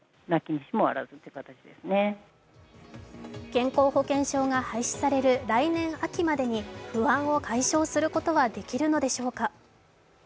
健康保険証が廃止される来年秋までに不安を解消することはできるのでしょうか。